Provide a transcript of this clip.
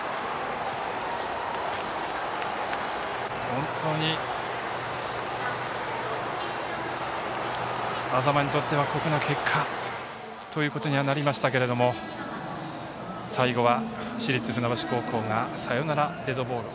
本当に安座間にとっては酷な結果となりましたけども最後は市立船橋高校がサヨナラデッドボール。